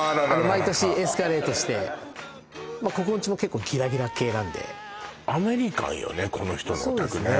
毎年エスカレートしてここんちも結構ギラギラ系なんでアメリカンよね